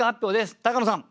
高野さん